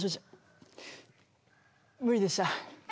無理でした。